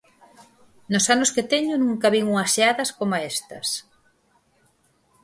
Nos anos que teño, nunca vin unhas xeadas coma estas.